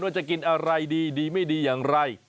จะกินอะไรดีดีไม่ดีอย่างไร